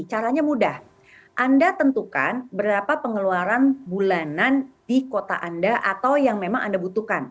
caranya mudah anda tentukan berapa pengeluaran bulanan di kota anda atau yang memang anda butuhkan